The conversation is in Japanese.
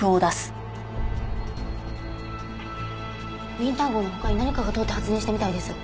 ウィンター号の他に何かが通って発電したみたいです。